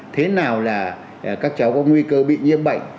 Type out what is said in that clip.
thế nào là các cháu có nguy cơ bị nhiễm bệnh